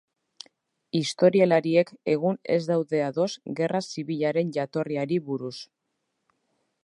Historialariek egun ez daude ados gerra zibilaren jatorriari buruz.